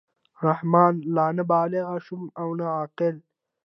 رحمان لا نه بالِغ شوم او نه عاقل.